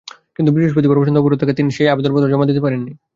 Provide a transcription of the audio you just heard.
কিন্তু বৃহস্পতিবার পর্যন্ত অবরোধ থাকায় তিনি সেই আবেদনপত্র জমা দিতে পারেননি।